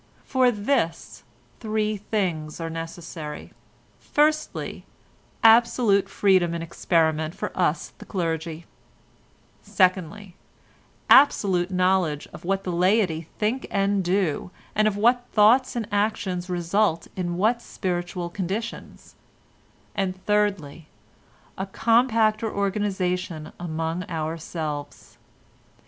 For this, three things are necessary; firstly, absolute freedom in experiment for us the clergy; secondly, absolute knowledge of what the laity think and do, and of what thoughts and actions result in what spiritual conditions; and thirdly, a compacter organisation among ourselves.